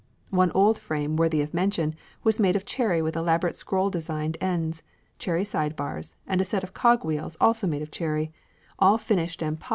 One old frame worthy of mention was made of cherry with elaborate scroll designed ends, cherry side bars, and a set of cogwheels also made of cherry; all finished and polished like a choice piece of furniture.